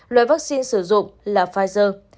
loại vaccine sử dụng là pfizer